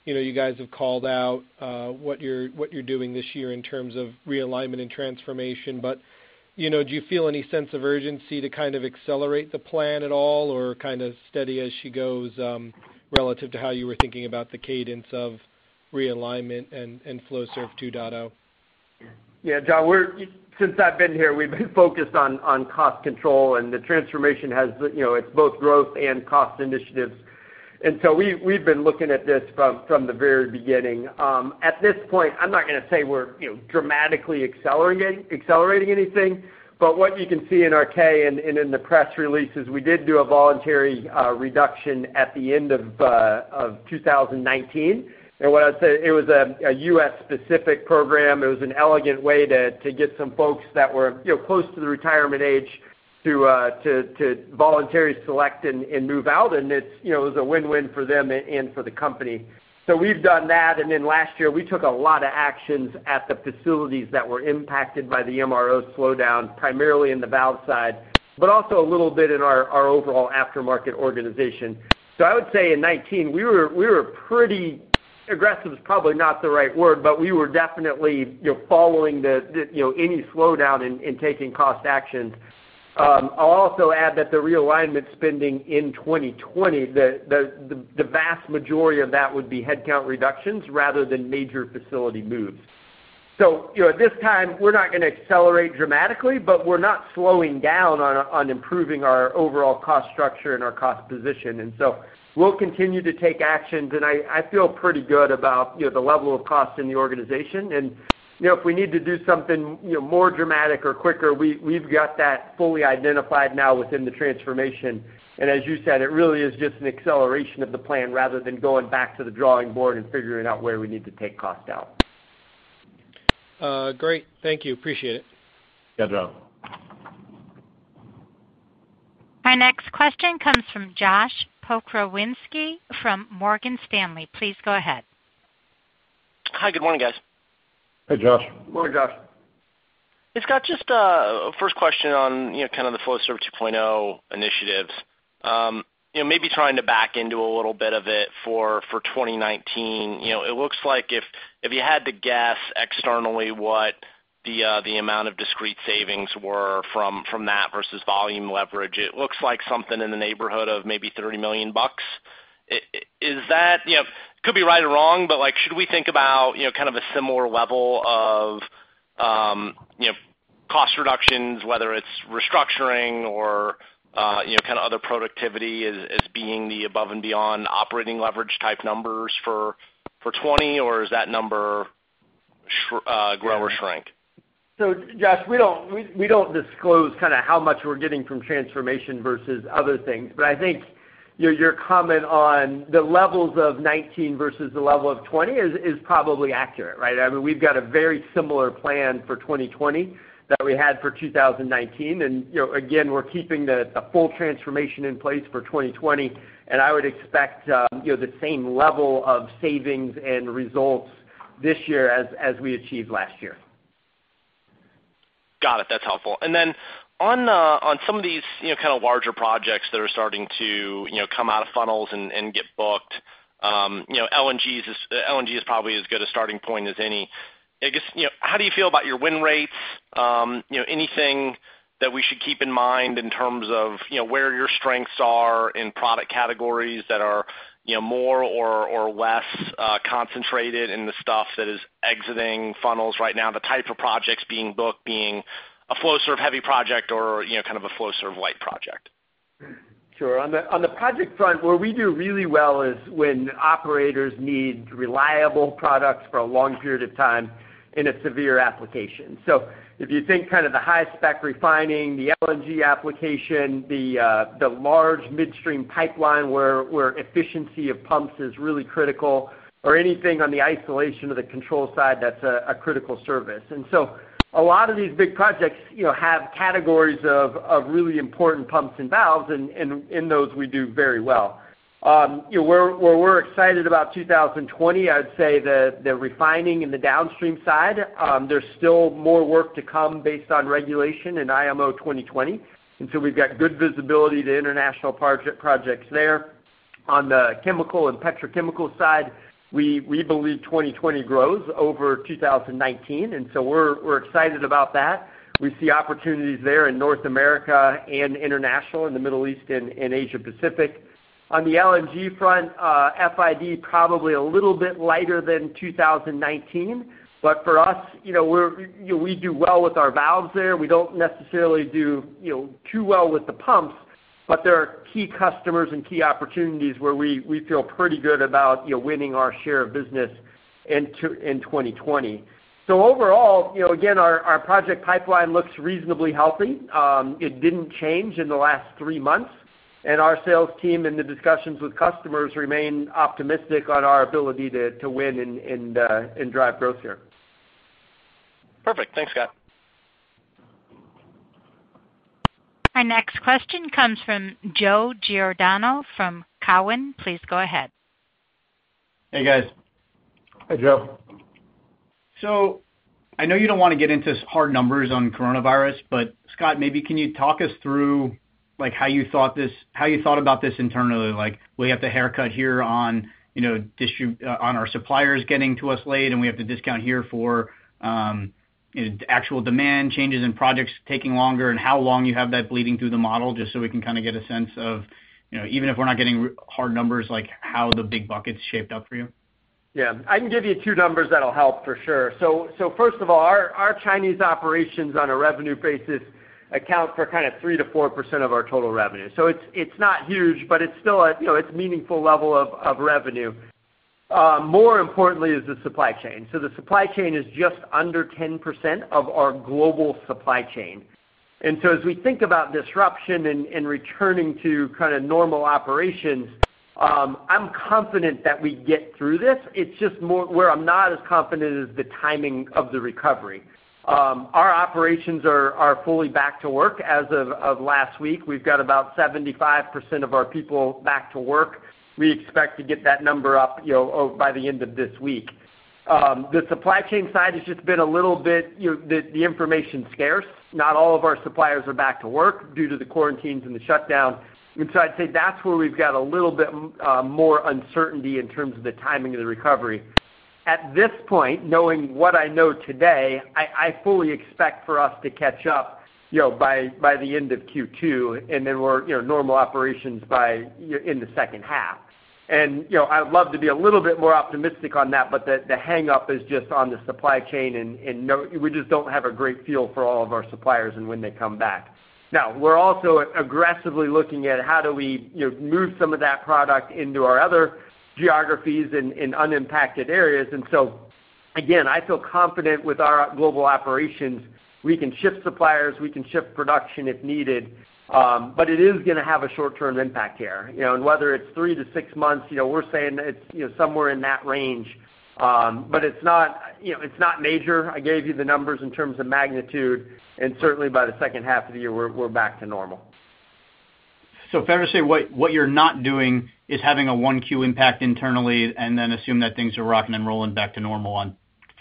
You guys have called out what you're doing this year in terms of realignment and transformation. Do you feel any sense of urgency to kind of accelerate the plan at all or kind of steady as she goes, relative to how you were thinking about the cadence of realignment and Flowserve 2.0?
Yeah, John, since I've been here, we've been focused on cost control, and the transformation, it's both growth and cost initiatives. We've been looking at this from the very beginning. At this point, I'm not going to say we're dramatically accelerating anything, but what you can see in our K and in the press release is we did do a voluntary reduction at the end of 2019. What I'd say, it was a U.S.-specific program. It was an elegant way to get some folks that were close to the retirement age to voluntary select and move out, and it was a win-win for them and for the company. We've done that, and then last year, we took a lot of actions at the facilities that were impacted by the MRO slowdown, primarily in the valve side, but also a little bit in our overall aftermarket organization. I would say in 2019, we were pretty aggressive is probably not the right word, but we were definitely following any slowdown in taking cost actions. I'll also add that the realignment spending in 2020, the vast majority of that would be headcount reductions rather than major facility moves. At this time, we're not going to accelerate dramatically, but we're not slowing down on improving our overall cost structure and our cost position. We'll continue to take actions, and I feel pretty good about the level of cost in the organization. If we need to do something more dramatic or quicker, we've got that fully identified now within the transformation. As you said, it really is just an acceleration of the plan rather than going back to the drawing board and figuring out where we need to take cost out.
Great. Thank you. Appreciate it.
Yeah, John.
Our next question comes from Joshua Pokrzywinski from Morgan Stanley. Please go ahead.
Hi. Good morning, guys.
Hey, Josh.
Morning, Josh.
Scott, just first question on the Flowserve 2.0 initiatives. Maybe trying to back into a little bit of it for 2019. It looks like if you had to guess externally what the amount of discrete savings were from that versus volume leverage, it looks like something in the neighborhood of maybe $30 million. Could be right or wrong, should we think about kind of a similar level of cost reductions, whether it's restructuring or other productivity as being the above and beyond operating leverage type numbers for 2020, or does that number grow or shrink?
Josh, we don't disclose how much we're getting from transformation versus other things. I think your comment on the levels of 2019 versus the level of 2020 is probably accurate, right? We've got a very similar plan for 2020 that we had for 2019. Again, we're keeping the full transformation in place for 2020, and I would expect the same level of savings and results this year as we achieved last year.
Got it. That's helpful. On some of these larger projects that are starting to come out of funnels and get booked, LNG is probably as good a starting point as any. I guess, how do you feel about your win rates? Anything that we should keep in mind in terms of where your strengths are in product categories that are more or less concentrated in the stuff that is exiting funnels right now, the type of projects being booked, being a Flowserve heavy project or kind of a Flowserve light project?
Sure. On the project front, where we do really well is when operators need reliable products for a long period of time in a severe application. If you think kind of the high spec refining, the LNG application, the large midstream pipeline where efficiency of pumps is really critical, or anything on the isolation of the control side, that's a critical service. A lot of these big projects have categories of really important pumps and valves, and in those we do very well. Where we're excited about 2020, I'd say the refining and the downstream side, there's still more work to come based on regulation in IMO 2020. We've got good visibility to international projects there. On the chemical and petrochemical side, we believe 2020 grows over 2019, we're excited about that. We see opportunities there in North America and international, in the Middle East and Asia Pacific. On the LNG front, FID probably a little bit lighter than 2019, but for us, we do well with our valves there. We don't necessarily do too well with the pumps, but there are key customers and key opportunities where we feel pretty good about winning our share of business in 2020. Overall, again, our project pipeline looks reasonably healthy. It didn't change in the last three months, and our sales team in the discussions with customers remain optimistic on our ability to win and drive growth here.
Perfect. Thanks, Scott.
Our next question comes from Joe Giordano from Cowen. Please go ahead.
Hey, guys.
Hey, Joe.
I know you don't want to get into hard numbers on coronavirus, but Scott, maybe can you talk us through how you thought about this internally? Like, we have to haircut here on our suppliers getting to us late, and we have to discount here for actual demand changes and projects taking longer, and how long you have that bleeding through the model, just so we can kind of get a sense of, even if we're not getting hard numbers, like how the big bucket's shaped up for you.
Yeah. I can give you two numbers that'll help for sure. First of all, our Chinese operations on a revenue basis account for kind of 3%-4% of our total revenue. It's not huge, but it's meaningful level of revenue. More importantly is the supply chain. The supply chain is just under 10% of our global supply chain. As we think about disruption and returning to kind of normal operations, I'm confident that we get through this. It's just more where I'm not as confident is the timing of the recovery. Our operations are fully back to work as of last week. We've got about 75% of our people back to work. We expect to get that number up by the end of this week. The supply chain side has just been a little bit, the information's scarce. Not all of our suppliers are back to work due to the quarantines and the shutdown. I'd say that's where we've got a little bit more uncertainty in terms of the timing of the recovery. At this point, knowing what I know today, I fully expect for us to catch up, you know, by the end of Q2. We're normal operations by in the second half. I would love to be a little bit more optimistic on that, but the hang up is just on the supply chain and we just don't have a great feel for all of our suppliers and when they come back. Now, we're also aggressively looking at how do we move some of that product into our other geographies in unimpacted areas. Again, I feel confident with our global operations. We can shift suppliers, we can shift production if needed. It is going to have a short-term impact here. Whether it's three-to-six months, we're saying it's somewhere in that range. It's not major. I gave you the numbers in terms of magnitude, and certainly by the second half of the year, we're back to normal.
So fair to say what you're not doing is having a 1Q impact internally, and then assume that things are rocking and rolling back to normal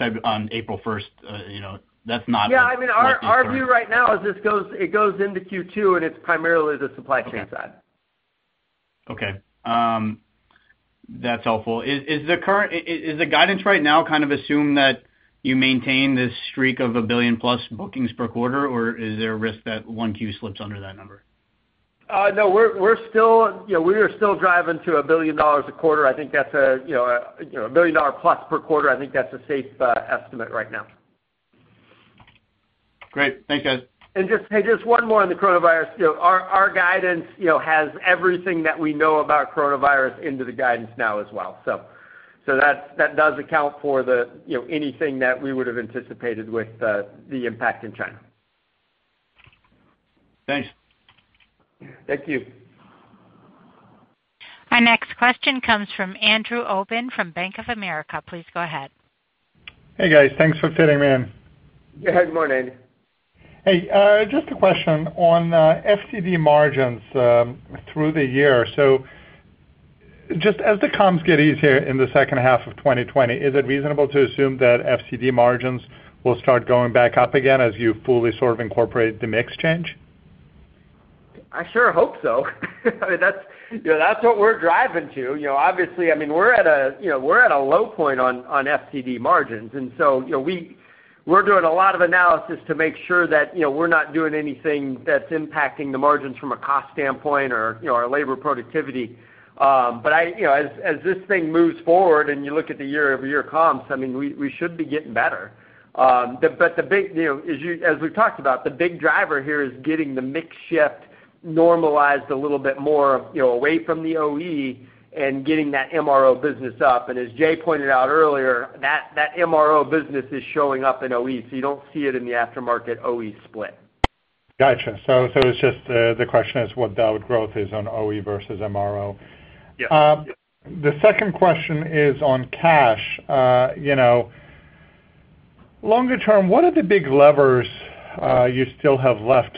on April 1st. That's not?
Yeah, I mean, our view right now is it goes into Q2. It's primarily the supply chain side.
Okay. That's helpful. Is the guidance right now kind of assume that you maintain this streak of a billion-plus bookings per quarter, or is there a risk that 1Q slips under that number?
No. We are still driving to a billion dollar a quarter. I think that's, you know, a billion dollar-plus per quarter. I think that's a safe estimate right now.
Great. Thank you.
Just one more on the coronavirus. Our guidance has everything that we know about coronavirus into the guidance now as well. So, that does account for anything that we would've anticipated with the impact in China.
Thanks.
Thank you.
Our next question comes from Andrew Obin from Bank of America. Please go ahead.
Hey, guys. Thanks for fitting me in.
Good morning.
Hey, just a question on FCD margins through the year. Just as the comps get easier in the second half of 2020, is it reasonable to assume that FCD margins will start going back up again as you fully sort of incorporate the mix change?
I sure hope so. That's what we're driving to. Obviously, we're at a low point on FCD margins, and so we're doing a lot of analysis to make sure that we're not doing anything that's impacting the margins from a cost standpoint or our labor productivity. As this thing moves forward and you look at the year-over-year comps, we should be getting better. As we've talked about, the big driver here is getting the mix shift normalized a little bit more away from the OE and getting that MRO business up. As Jay pointed out earlier, that MRO business is showing up in OE, so you don't see it in the aftermarket OE split.
Got you. It's just the question is what that growth is on OE versus MRO.
Yes.
The second question is on cash. Longer term, what are the big levers you still have left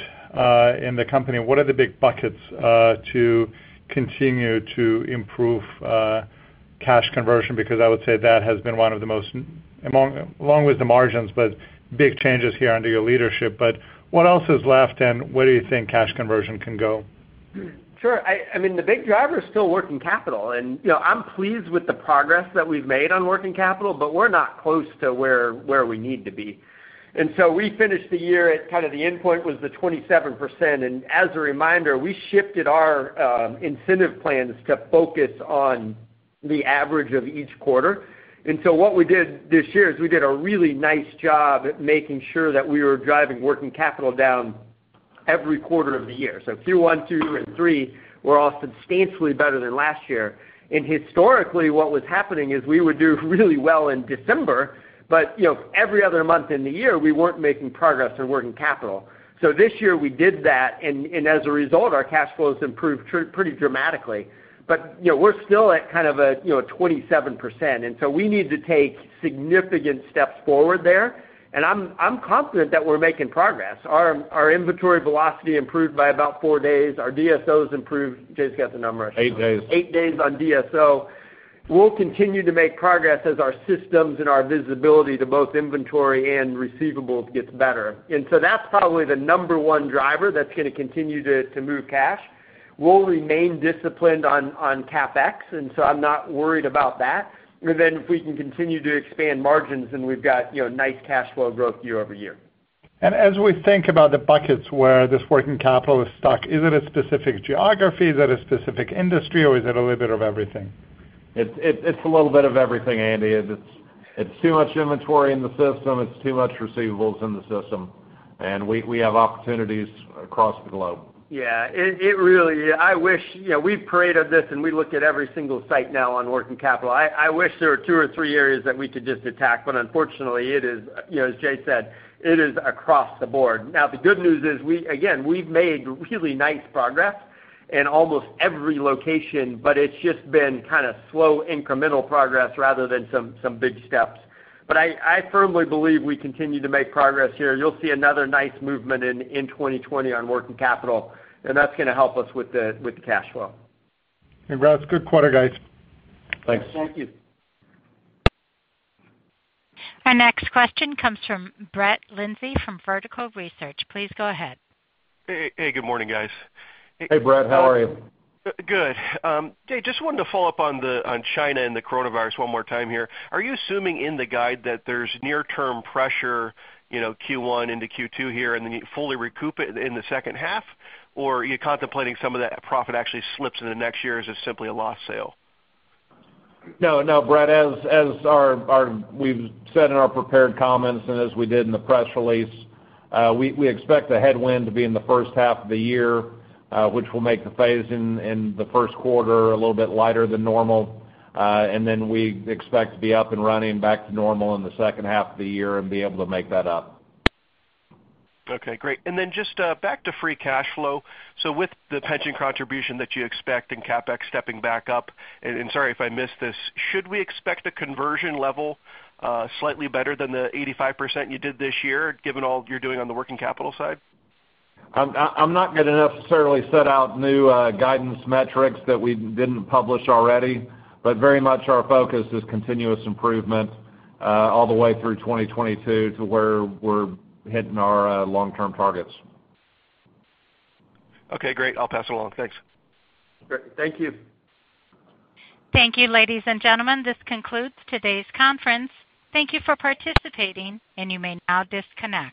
in the company? What are the big buckets to continue to improve cash conversion? I would say that has been one of the most, along with the margins, but big changes here under your leadership. What else is left, and where do you think cash conversion can go?
Sure. The big driver is still working capital, you know, and I'm pleased with the progress that we've made on working capital, but we're not close to where we need to be. We finished the year at kind of the endpoint was the 27%. As a reminder, we shifted our incentive plans to focus on the average of each quarter. What we did this year is we did a really nice job at making sure that we were driving working capital down every quarter of the year. Q1, Q2, and Q3 were all substantially better than last year. Historically, what was happening is we would do really well in December, but, you know, every other month in the year, we weren't making progress on working capital. This year we did that, and as a result, our cash flows improved pretty dramatically. We're still at kind of a 27%, we need to take significant steps forward there. I'm confident that we're making progress. Our inventory velocity improved by about four days. Our DSOs improved. Jay's got the number.
Eight days.
Eight days on DSO. We'll continue to make progress as our systems and our visibility to both inventory and receivables gets better. That's probably the number one driver that's going to continue to move cash. We'll remain disciplined on CapEx, and so I'm not worried about that. If we can continue to expand margins, then we've got nice cash flow growth year-over-year.
As we think about the buckets where this working capital is stuck, is it a specific geography? Is it a specific industry, or is it a little bit of everything?
It's a little bit of everything, Andy. It's too much inventory in the system, it's too much receivables in the system. We have opportunities across the globe.
Yeah. We've paraded this, and we look at every single site now on working capital. I wish there were two or three areas that we could just attack, but unfortunately, as Jay said, it is across the board. Now, the good news is, again, we've made really nice progress in almost every location, but it's just been kind of slow incremental progress rather than some big steps. I firmly believe we continue to make progress here. You'll see another nice movement in 2020 on working capital, and that's going to help us with the cash flow.
Hey, good quarter, guys.
Thanks.
Thank you.
Our next question comes from Brett Linzey from Vertical Research. Please go ahead.
Hey, good morning, guys.
Hey, Brett. How are you?
Good. Jay, just wanted to follow up on China and the coronavirus one more time here. Are you assuming in the guide that there's near-term pressure, you know, Q1 into Q2 here, and then you fully recoup it in the second half? Or are you contemplating some of that profit actually slips into next year as just simply a lost sale?
No, Brett, as we've said in our prepared comments and as we did in the press release, we expect the headwind to be in the first half of the year, which will make the phase in the first quarter a little bit lighter than normal. Then we expect to be up and running back to normal in the second half of the year and be able to make that up.
Okay, great. Just back to free cash flow, with the pension contribution that you expect and CapEx stepping back up, and sorry if I missed this, should we expect a conversion level slightly better than the 85% you did this year, given all you're doing on the working capital side?
I'm not going to necessarily set out new guidance metrics that we didn't publish already, but very much our focus is continuous improvement all the way through 2022 to where we're hitting our long-term targets.
Okay, great. I'll pass it along. Thanks.
Great. Thank you.
Thank you, ladies and gentlemen. This concludes today's conference. Thank you for participating, and you may now disconnect.